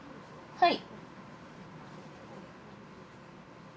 はい。